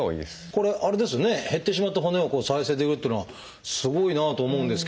これあれですよね減ってしまった骨を再生できるっていうのはすごいなと思うんですけれども。